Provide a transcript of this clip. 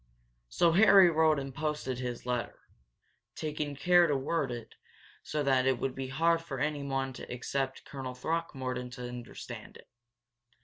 So Harry wrote and posted his letter, taking care to word it so that it would be hard for anyone except Colonel Throckmorton to understand it.